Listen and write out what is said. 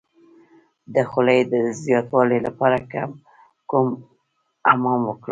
د خولې د زیاتوالي لپاره کوم حمام وکړم؟